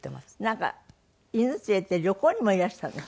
なんか犬連れて旅行にもいらしたんですって？